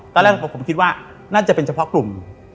ตอนแรกผมคิดว่าน่าจะเป็นเฉพาะกลุ่ม